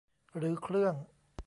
หรือเครื่อง